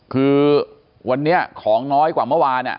คือวันนี้ของน้อยกว่าเมื่อวาน